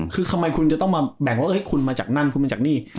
คือทำไมคุณจะต้องมาแบ่งว่าคุณมาจากนั่นคุณมาจากนี่